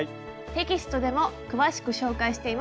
テキストでも詳しく紹介しています。